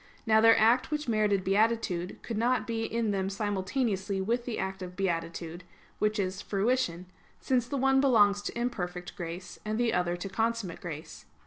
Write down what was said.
Now their act which merited beatitude could not be in them simultaneously with the act of beatitude, which is fruition; since the one belongs to imperfect grace, and the other to consummate grace.